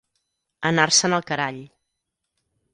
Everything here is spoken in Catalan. Anar-se'n al carall.